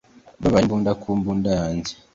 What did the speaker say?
babara imbunda ku mbunda yanjye